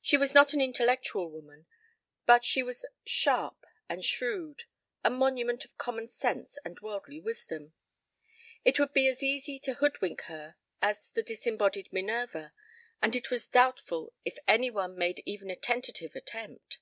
She was not an intellectual woman, but she was sharp and shrewd, a monument of common sense and worldly wisdom. It would be as easy to hoodwink her as the disembodied Minerva, and it was doubtful if any one made even a tentative attempt.